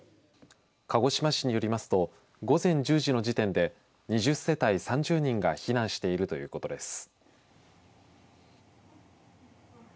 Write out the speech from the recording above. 鹿児島市によりますと午前１０時の時点で２０世帯３０人が避難しているということです。